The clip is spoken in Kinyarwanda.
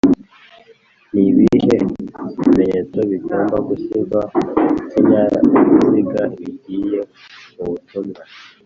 Nibihe bimenyetso bigomba gushyirwa kukinyabiziga bigiye mubutumwa